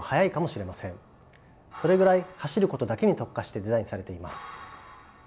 それぐらい走ることだけに特化してデザインされています。